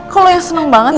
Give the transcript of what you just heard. kalo yang seneng banget sih